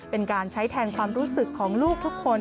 เป็นการใช้แทนความรู้สึกของลูกทุกคน